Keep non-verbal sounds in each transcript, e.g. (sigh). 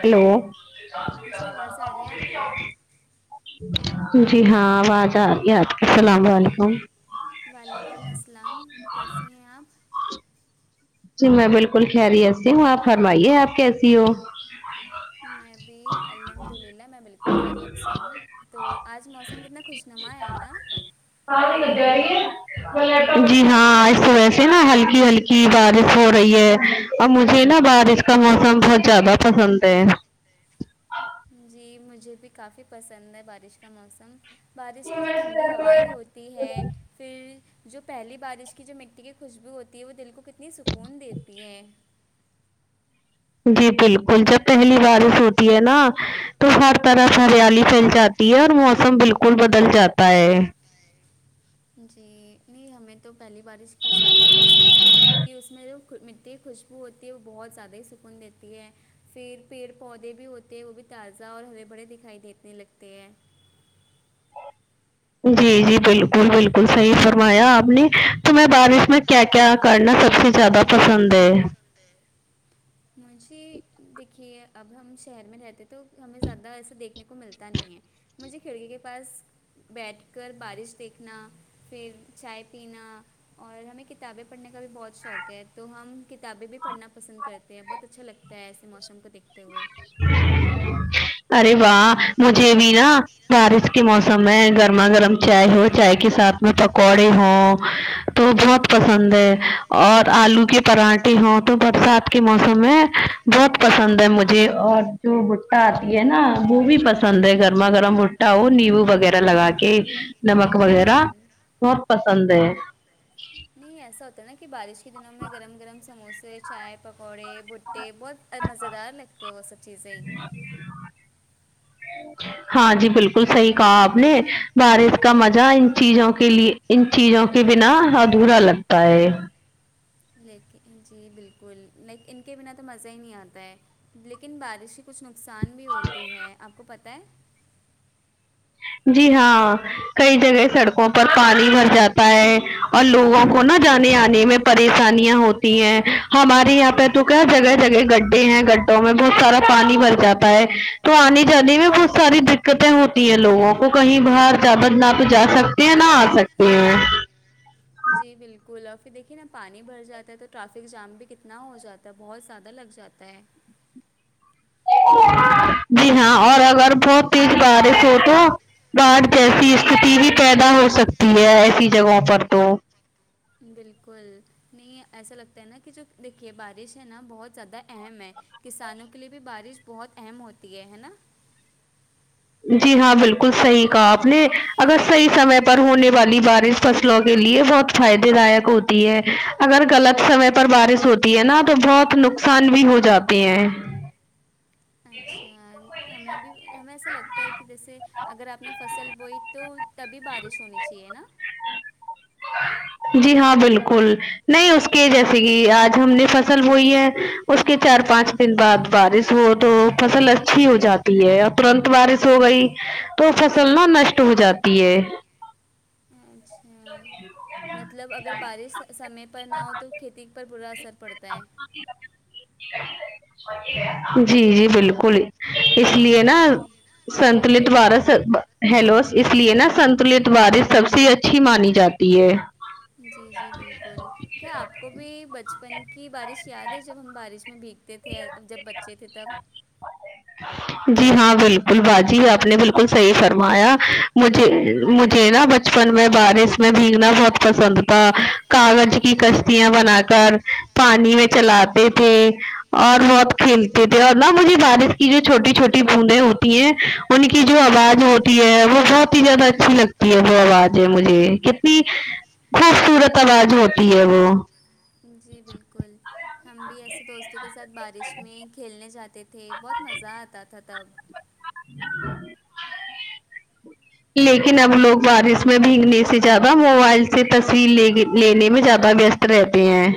hello جی آواز آ رہی ہے آپ کو جی ہاں آواز ارے ہے آپ کی السلام و علیکم وعلیکم السلام کیسی ہیں اپ جی میں بالکل خیریت سے ہوں آپ فرمائیے آپ کیسی ہو سب سے بڑی بات میں بھی الحمد للہ میں بالکل خیریت سے ہوں تو آج موسم کتنا خوشنما ہے نا ہاں نہیں مد (unintelligible) رہ ہے جی ہاں آج تو ویسی نا ہلکی ہلکی بارش ہو رہی ہے اور مجھے نا بارش کا موسم بہت زیادہ پسند ہے جی مجھے بھی کافی پسند ہے بارش کا موسم بارش کی جو ٹھنڈی ہوائیں ہوتی ہے پھر جو پہلی بارش کی جو مٹی کی خوشبو ہوتی ہے وہ دل کو کتنی سکون دیتی ہے جی بالکل جب پہلی بارش ہوتی ہے نا تو ہر طرف ہریالی پھیل جات تی ہے موسم بالکل بدل جاتا ہے جی نہیں ہمیں تو پہلی بارش کچھ زیادہ ہی پسند ہے بل کیونکہ اس میں جو مٹی کی خوش وہ ہوتی ہے وہ بہت زیادہ ہی سکون دیتی ہے پھر پیڑ پودے بھی ہوتے ہیں وہ بھی تازہ اور ہرے بھرے دکھائی دینے لگتے ہیں جی جی بالکل بالکل صحیح فرمایا آپ نے تو میں بارش میں کیا کیا کرنا سب سے زیادہ پسند ہے مجھے دیکھی ہے اب ہم شہر میں رہتے تو ہمیں زیادہ ایسا دیکھنے کو ملتا نہیں ہے مجھے کھڑکی کے پاس بیٹھ کر بارش دیکھنا پھر چائے پینا اور ہمیں کتابیں پڑھنے کا بھی بہت شوق ہے تو ہم کتابیں بھی پڑھنا پسند کر تے ہے بہت اچھا لگتا ہے ایسے موسم کو دیکتے ہوئے ارے واہ مجھے بھی نا بارش کے موسم میں گرما گرم چائے ہو چائے کے ساتھ میں پکوڑے ہوں تو ہوں بہت پسند ہے اور آلو کے پراٹھے ہوں تو برسات کے موسم میں بہت پسند ہے مجھے اور جو بٹا اتی ہے نا وہ بھی پسند ہے گھر گرما گرم بٹا ہو نیبو وغیرہ لگا کے نمک وغیرہ جی بہت پسند ہے نہیں ایسا ہوتا نا کہ بارش کے دنوں میں گرم گرم سموسے چائے پکوڑے بھٹے بہت مزیدار لگتے ہیں وہ سب چیزیے ہاں جی بالکل صحیح کہا آپ نے بارش کا مزہ ان چیزوں کے لیے ان چیزوں کے بنا ادھورا لگتا ہے لیکن جی بالکل لیک ان کے بنا تو مزہ ہی نہیں آتا ہے لیکن بارش کے کچھ نقصان بھی ہوتے ہیں اپ کو پتہ ہے جی ہاں کئی جگہ سڑکوں پر پانی بھر جات تا ہے اور لوگوں کو نا جانے انے میں پریشانیاں ہوتی ہیں ہمارے یہاں پہ تو کیا جگہ جگہ گڈھے ہیں گڈھوں میں بہت سارا پانی بھر جاتا ہے تو انے جانے میں بہت ساری دقتے ہوتی ہیں لوگوں کو کہیں باہر تابت نہ تو جا سکتے ہیں نہ آ سکتے ہیں جی بالکل اور پھر دیکھیے نا پانی بھر جاتا ہے تو ٹرافک جام بھی کتنا ہو جات تا بہت زیادہ لگ جاتا ہے جی ہاں اور اگر بہت تیج بارش ہو تو باڑ جیسی استتی بھی پیدا ہو سکتی ہے ایسی جگہوں پر تو بالکل نہیں ایسا لگتا ہے نا کہ جو دیکھیے بارش ہے نا بہت زیادہ اہم ہے کسانوں کے لیے بھی بارش بہت اہم ہوتی ہے ہے نا جی ہاں بالکل صحیح کہا اپ نے اگر صحیح سمے پر ہونے والی بارش فصلوں کے لیے بہت فائدے دائیک ہوتی ہے اگر غلط سمے پر بارش ہوتی ہے نا تو بہت نقصان بھی ہو جات تے ہیں اچھا ہمیں بھی ہمیں ایسا لگتا ہے کہ جیسے اگر اپ نے فصل بوئی تو تبھی بارش ہونی چاہیے نا جی ہاں بالکل نہیں اس کے جیسے کہ اج ہم نے فصل بوئی ہے اس کے چار پانچ دن بعد بارش ہو تو فصل اچھی ہو جاتی ہے اب ترنت بارش ہو گئی تو جی فصل نا نشٹ ہو جاتی ہے اچھ مطلب اگر بارش سمے پر نہ ہو تو کھیتی پر برا اثر پڑتا ہے جی جی بالکل اس لیے نا جی سنتلت وارس ہیلو اس لیے نا سنتلت وارش سب سے اچ اچھی مانی جاتی ہے جی جی بالکل کیا اپ کو بھی بچپن کی بارش یاد ہے جب ہم بارش میں بھیگ تے تھے جب بچے تھے تب جی ہاں بالکل باجی آپ نے بالکل صحیح فرمایا مجھے جی مجھے نا بچپن میں بارش میں بھیگنا بہت پسند تھا کاغذ کی کشتیاں بنا کر پانی میں چلاتے تھے اور بہت کھیلتے تھے اور نہ مجھے بارش کی جو چھوٹی چھوٹی بوندیں ہوتی ہیں ان کی جو آواز ہوتی ہے وہ بہت ہی زیادہ اچھی لگتی ہے وہ آوازے مجھے کتنی خوبصورت آواز ہوتی ہے وہ جی بالکل ہم بھی ایسے دوستوں کے ساتھ بارش میں ہی کھیلنے جاتے تھے بہت مزہ آتا تھا تب لیکن اب لوگ بارش میں بھیگنے سے زیادہ موبائل سے تصویر لینے میں زیادہ ویست رہتے ہیں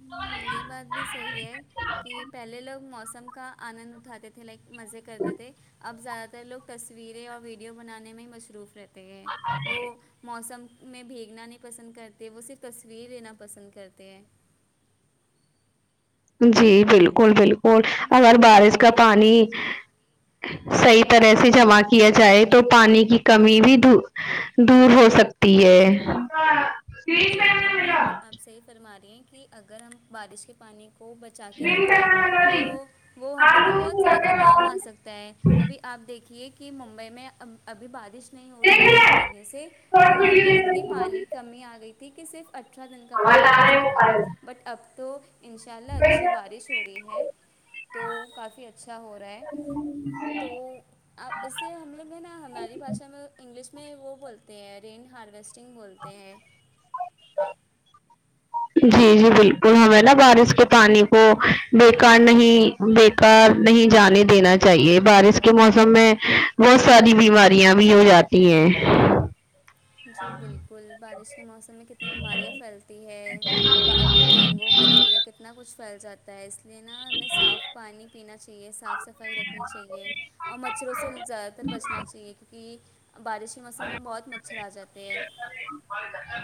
ہمم یہ بات بھی صحیح ہے کہ پہلے لوگ موسم کا انند اٹھاتے طلگ مزے کرتے تھے اب زیادہ تر لوگ تصویریں اور ویڈیو بنانے میں مصروف رہتے ہیں وہ موسم میں بھیگنا نہیں پسند کرتے وہ صرف تصویر لینا پسند کرتے ہیں جی بالکل بالکل اگر بارش کا ہوں پانی صحیح طرح سے جمع کیا جائے تو پانی کی کمی بھی د دور ہو سکتی ہے جی بالکل آپ صحیح فرما رہی ہیں کہ اگر ہم بارش کے پانی کو ب چا کے رکھے تو وہ ہم لوگ کو بہت زیادہ کام اسکتا ہے ابھی آپ دیکھیے کہ ممبئی میں ابھ ابھی بارش نہیں ہو رہی تھی ایک مہینے سے تو یہاں پہ اتنی پانی کمی اگئی تھی کہ صرف اٹھارا دن کا پانی بچا تھا بٹ اب تو انشاء اللہ اچھی بارش ہو رہی ہے تو کافی اچھا ہو رہا ہے تو آپ اس سے ہم لوگ ہیں نا ہماری بھاشا میں انگلش میں وہ بولتے ہیں رین ہارویسٹ نگ بولتے ہیں جی جی بالکل ہمیں نا بارش کے پانی کو بیکار نہیں بیکار نہیں جانے دینا چاہیے بارش کے موسم میں بہت ساری بیماریاں بھی ہو جات تی ہے جی بالکل بارش کے موسم میں کت نی بیماریاں پھیلتی ہے ڈینگو ملیریا کتنا کچھ پھیل جاتا ہے اس جو نا ہمیں صاف پانی پینا چاہیے صاف صفا ئی رکھنی چاہے اور مچھروں سے زیادہ تر بچنا چاہیے کیونکہ بارش موسم میں بہت مچھر اجاتے ہیں (unintelligible)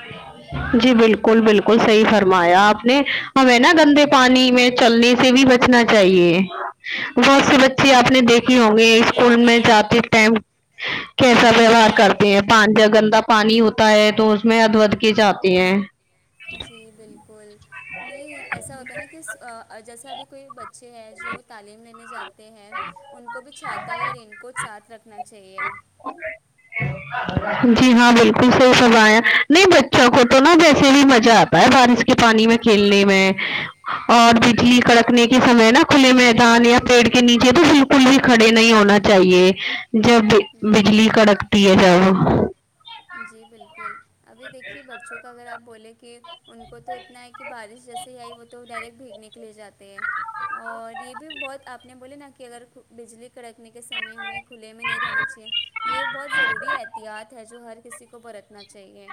جی بالکل بالکل صحیح فرمایا آپ نے ہمیں نا گندے پانی میں چلنے سے بھی بچنا چاہیے بہت سے بچے اپ نے دیکھ ہوں گی اسکول میں جاتی ٹم کیسا ویوہار کرتے ہیں پانی جہ گندا پانی ہوتا ہے تو اس میں ادوود کے جاتے ہیں جی بالکل نہیں ایسا ہوتا ہے نا کہ آ جیسے ابھی کوئی بچ چے ہیں جو تعلیم لینے جاتے ہیں ان کو بھی چھاتا یا رین کوٹ ساتھ رکھنا چاہیے جی ہاں بالکل صحیح فرمایا نہیں بچوں کو تو نا ویسے بھی مزہ آتا ہوتا بارش کے پانی میں کھیلنے میں اور بجلی جی کڑکنے کے سمے نا کھلے میدان یا پیڑ کے نیچے تو بالکل بھی کھڑے نہیں ہونا چاہیے جب بجلی بالکل کڑکتی ہے جب جی بالکل ابھی دیکھیے بچوں کا اگر اپ بولیں کہ ان کو تو اتنا ہے کہ بارش سے آئی وہ تو ڈائریکٹ بھیگنے کے لیے جاتے ہیں اور یہ بھی بہت آپ نے بولے نا کہ اگر بجلی کڑکنے کے سمے ہمیں کھلے میں نہیں رہنا چاہیے یہ بہت ضروری احتیاط ہے جو ہر کسی کو برتنا چاہیے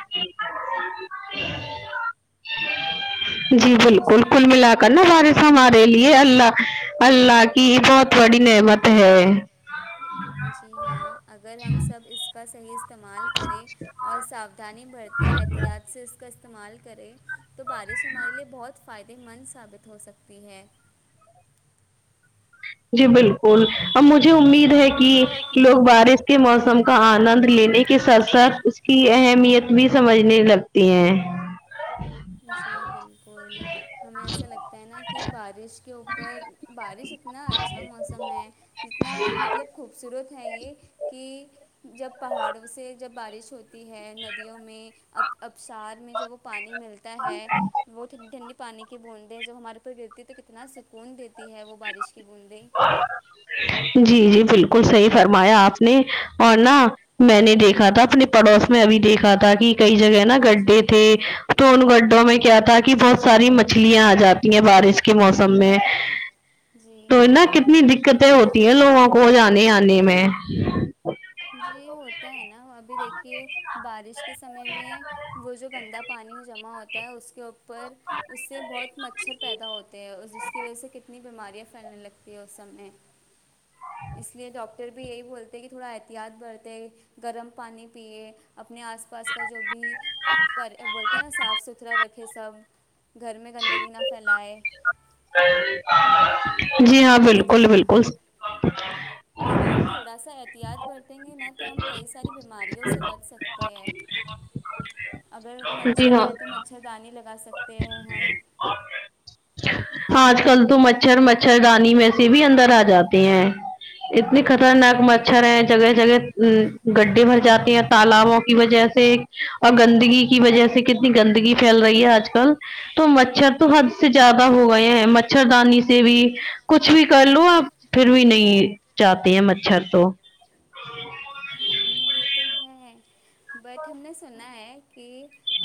جی بالکل کل ملا کر نا بارش ہمارے لیے اللہ اللہ کی بہت بڑی نعمت ہے جی ہاں اگر ہم سب اس کا صحیح استعمال کرے اور ساودھانی برتے احتیاط سے اس کا استعمال کرے تو بارش ہمارے لیے بہت فائدے مند ثابت ہو سکتی ہے جی بالکل اب مجھے امید ہے کہ لوگ بارش کے موسم کا آنند لینے کے ساتھ ساتھ اس کی اہمیت بھی سمجھنے لگتی ہیں جی بالکل ہمیں ایسا لگتا ہے نا کہ بارش کے اوپر بارش اتنا اچھا موسم ہے جتنا مطلب خوبصورت ہے یہ کہ جب پہاڑوں سے جب بارش ہو تی ہے ندیوں میں اب ابسار میں جب وہ پانی ملتا ہے وہ ٹھن ٹھنڈی پانی کی بوندیں جب ہمارے اوپر گرتی ہے تو کتنا سکون دیتی ہے وہ بارش کی بوندیں جی جی بالکل صحیح فرمایا اپ نے اور نا میں نے دیکھا تھا اپنے پڑوس میں ابھی دیکھا تھا کہ کئی جگہ نا گڈھے تھے تو ان گڈھوں میں کیا تھا کہ بہت ساری مچھلیاں آ جات تی ہے بارش کے موسم میں جی تو نا کتنی دقتیں ہوتی ہیں لوگوں کو جانے انے میں جی ہوتا ہے نا ابھی دیکھیے بارش کے سمے میں وہ جو گندا پانی میں جمع ہوتا ہے اس کے او پر اس سے بہت مچھر پیدا ہوتے ہیں اور جس کی وجہ سے کتنی بیماریاں پھیلنے لگتی ہیں اس سمیں اس لیے ڈاکٹر بھی یہی بولتے ہیں کہ تھوڑا ایت احتیاط برتے گرم پانی پیے اپنے آس پاس کا جو بھی پر بولتے ہیں صاف ستھ را رکھے سب گھر میں گندگی نہ فیلائے جی ہاں اگر تو بالکل ہم بالکل اگر ہم تھوڑا سا احتیاط برتیں گے نہ تو ہم کئی ساری بیماریوں سے بچ سک تے ہے اگر جی مچھر ہاں ہے تو مچھردانی لگا سکتے ہیں ہم آج کل تو مچھر مچھردانی میں سے بھی اندر آ جاتے ہیں اتنی خطرناک مچھر ہیں جگہ جگہ گڈھے بھر جاتے ہیں تالابوں کی وجہ سے اور گندگی کی وجہ سے کتنی گندگی فیل رہی ہے آج کل تو مچھر تو حد سے زیادہ ہو گئے ہیں مچھردانی سے بھی کچھ بھی کر لو آپ پھر بھی نہیں چاہتے ہیں مچھر تو یہ تو ہے بٹ ہم نے سنا ہے کہ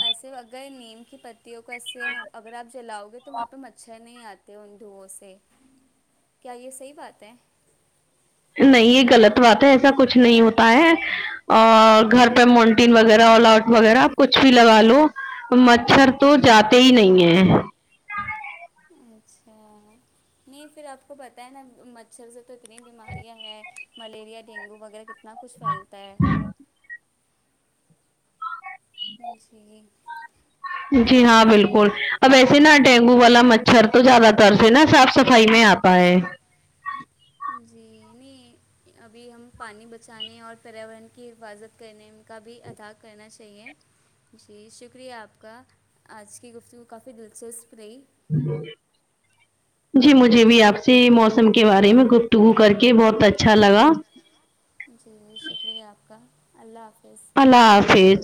ایسے اگر نیم کی پتیوں کو ایسے ہم اگر آپ جلاؤ گے تو وہاں پہ مچھر نہیں آت تے ان دھوؤں سے کیا یہ صحیح بات ہے نہیں یہ غلط بات ہے ایسا کچھ نہیں ہوتا ہے اور گھر پہ مونٹین وغیرہ آل آؤٹ وغیرہ اپ کچھ بھی لگا لو مچھر تو جاتے ہی نہیں ہیں اچھا نہیں پھر آپ کو پتا ہے نا مچھر سے تو اتنی بیماریاں ہیں ملیریا ڈینگو وغیرہ کت نا کچھ فیلتا ہے جی جی ہاں تو بالکل اب ایسے نا ڈینگو والا مچھر تو زیادہ تر سے نا صاف صفائی میں آتا ہے جی نی ابھی ہم پانی بچانے اور پریاورن کی حفاظت کرنے کا بھی ادا کرنا چاہیے جی شکریہ آپ کا آج کی گفتگو کافی دلچسپ رہی (unintelligible) جی مجھے بھی آپ سے موسم کے بارے میں گفتگو کر کے بہت اچھا لگا جی شکریہ آپ کا اللہ حافظ اللہ حافج